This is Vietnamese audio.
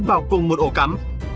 vào cùng một ổ cắm